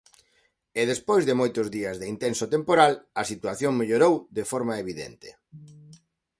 E despois de moitos días de intenso temporal, a situación mellorou de forma evidente.